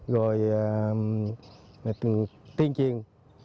rồi tiên triền